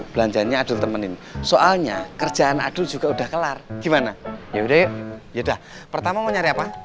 belanjanya adul temenin soalnya kerjaan adul juga udah kelar gimana ya udah yaudah pertama mau nyari apa